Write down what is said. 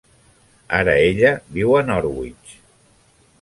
Ara ella viu a Norwich.